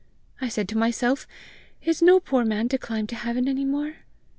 I said to myself, 'Is no poor man to climb to heaven any more?'